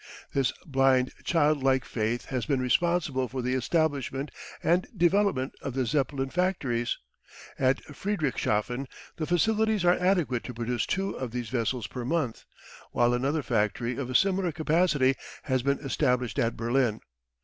This blind child like faith has been responsible for the establishment and development of the Zeppelin factories. At Friedrichshafen the facilities are adequate to produce two of these vessels per month, while another factory of a similar capacity has been established at Berlin.